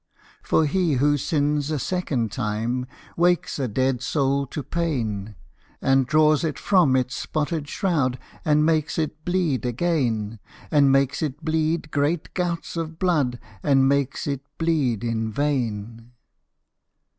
For he who sins a second time Wakes a dead soul to pain, And draws it from its spotted shroud, And makes it bleed again, And makes it bleed great gouts of blood, And makes it bleed in vain!